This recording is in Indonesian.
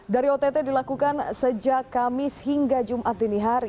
dari ott dilakukan sejak kamis hingga jumat dini hari